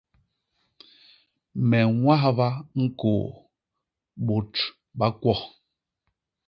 Me ññwahba ñkôô bôt ba kwo.